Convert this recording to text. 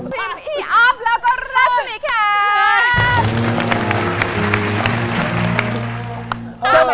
ทีมอีออฟแล้วก็รัสมีแคมป์